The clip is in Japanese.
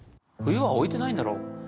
冬は置いてないんだろう